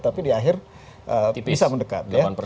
tapi di akhir bisa mendekat ya